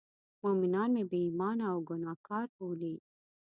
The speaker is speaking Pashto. مومنان مې بې ایمانه او ګناه کار بولي.